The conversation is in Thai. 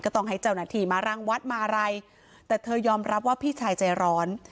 ต้องให้เจ้าหน้าที่มารังวัดมาอะไรแต่เธอยอมรับว่าพี่ชายใจร้อน